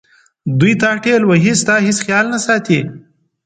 دوی تا ټېل وهي ستا هیڅ خیال نه ساتي.